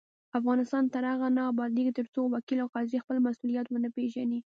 افغانستان تر هغو نه ابادیږي، ترڅو وکیل او قاضي خپل مسؤلیت ونه پیژني.